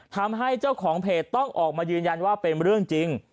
ทำให้เจ้าของเพจต้องออกมายืนยันว่าเป็นเรื่องจริง